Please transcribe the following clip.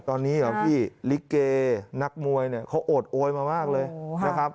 ตอนนี้เหรอพี่ลิเกนักมวยเนี่ยเขาโอดโอยมามากเลยนะครับ